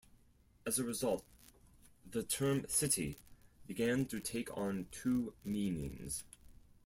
As a result, the term "city" began to take on two meanings.